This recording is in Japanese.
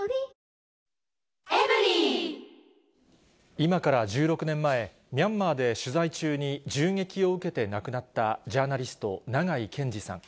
今から１６年前、ミャンマーで取材中に銃撃を受けて亡くなったジャーナリスト、長井健司さん。